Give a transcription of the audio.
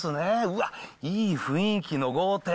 うわっ、いい雰囲気の豪邸。